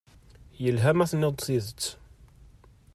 Yelha ma tenniḍ-d tidet.